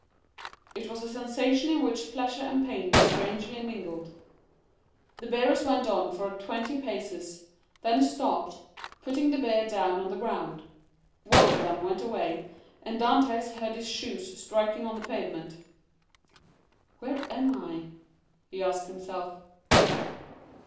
It was a sensation in which pleasure and pain were strangely mingled. The bearers went on for twenty paces, then stopped, putting the bier down on the ground. One of them went away, and Dantès heard his shoes striking on the pavement. "Where am I?" he asked himself.